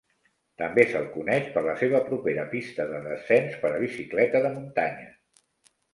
També se'l coneix per la seva propera pista de descens per a bicicleta de muntanya.